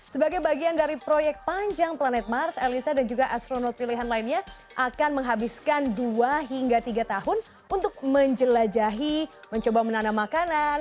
sebagai bagian dari proyek panjang planet mars elisa dan juga astronot pilihan lainnya akan menghabiskan dua hingga tiga tahun untuk menjelajahi mencoba menanam makanan